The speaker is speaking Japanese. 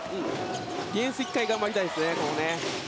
ディフェンス１回、頑張りたいですね。